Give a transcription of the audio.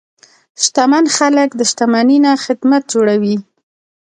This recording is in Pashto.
شتمن خلک د شتمنۍ نه خدمت جوړوي.